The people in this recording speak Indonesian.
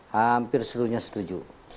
hampir selunya setuju